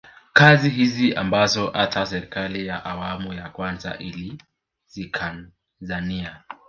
Kazi hizi ambazo hata serikali ya awamu ya kwanza ilizikazania